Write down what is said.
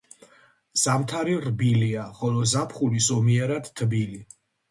ზამთარი რბილია, ხოლო ზაფხული ზომიერად თბილი.